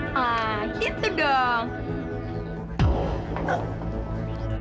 nah gitu dong